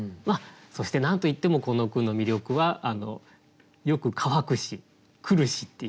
そして何といってもこの句の魅力は「よく乾くし」「来るし」っていうね